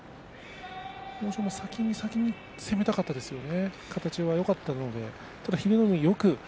先に先に攻めたかったですよね。